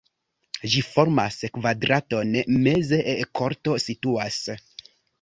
Ĝi formas kvadraton, meze korto situas.